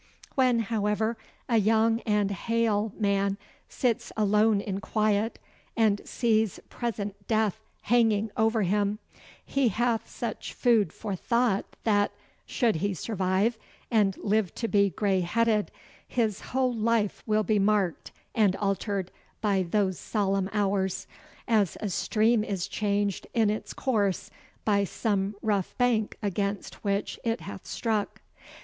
When, however, a young and hale man sits alone in quiet, and sees present death hanging over him, he hath such food for thought that, should he survive and live to be grey headed, his whole life will be marked and altered by those solemn hours, as a stream is changed in its course by some rough bank against which it hath struck.